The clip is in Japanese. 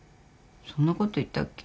そんなこと言ったっけ？